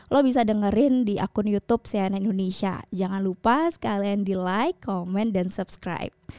lo bisa dengerin di akun youtube cnn indonesia jangan lupa sekalian di like komen dan subscribe